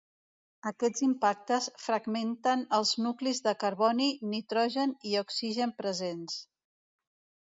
Aquests impactes fragmenten els nuclis de carboni, nitrogen i oxigen presents.